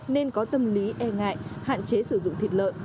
nên có tâm lý e ngại hạn chế sử dụng thịt lợn